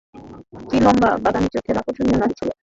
তিনি লম্বা, বাদামী চোখের আকর্ষণীয় নারী ছিলেন।